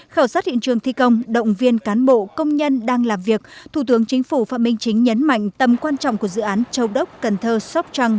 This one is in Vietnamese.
khảo sát hiện trường thi công động viên cán bộ công nhân đang làm việc thủ tướng chính phủ phạm minh chính nhấn mạnh tầm quan trọng của dự án châu đốc cần thơ sóc trăng